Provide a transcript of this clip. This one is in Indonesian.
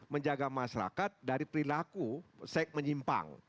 menjaga masyarakat dari perilaku seks menyimpang